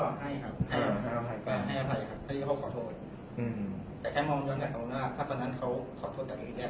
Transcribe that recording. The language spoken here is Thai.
แล้วถามพี่ศาลกรที่เขาขอโทษ